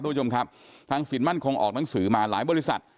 ทุกผู้ชมครับทางสินมั่นคงออกหนังสือมาหลายบริษัท